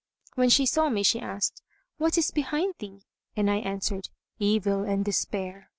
When she saw me, she asked, "What is behind thee?"; and I answered, "Evil and despair."